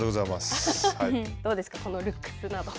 どうですか、このルックスなど。